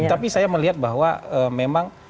tapi saya melihat bahwa memang